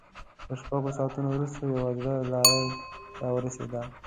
له شپږو ساعتونو وروسته يوه زړه لارۍ را ورسېده.